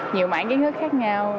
nhiều mảng kiến thức khác nhau